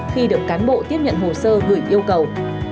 khi được cán bộ tiếp nhận hồ sơ gửi yêu cầu